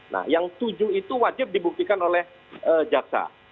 nah yang tujuh itu wajib dibuktikan oleh jaksa